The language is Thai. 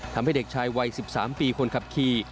ทำให้เด็กชายวัย๑๓ปีคนขับขี่